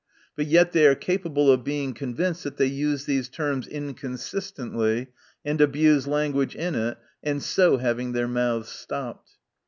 But yet they are capable of being convinced, that they use these terms inconsistently, and abuse language in it, and so having their mouth* stopped.